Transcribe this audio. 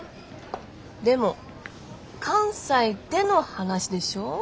でも関西での話でしょ？